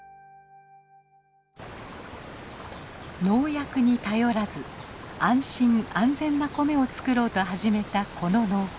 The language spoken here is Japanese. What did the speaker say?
農薬に頼らず安心安全な米を作ろうと始めたこの農法。